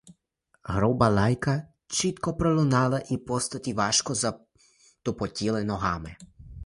Груба лайка чітко пролунала, і постаті важко затупотіли ногами.